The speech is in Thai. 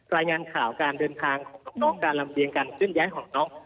รายงานข่าวการเดินทางของน้องการลำเรียงการเคลื่อนย้ายของน้อง